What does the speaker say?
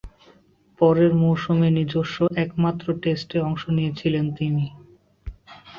পরের মৌসুমে নিজস্ব একমাত্র টেস্টে অংশ নিয়েছিলেন তিনি।